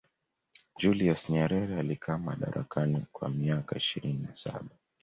julius nyerere alikaa madarakani kwa miaka ishirini na saba